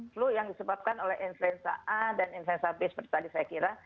flu yang disebabkan oleh influenza a dan influenza b seperti tadi saya kira